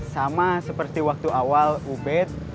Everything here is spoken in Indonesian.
sama seperti waktu awal ubed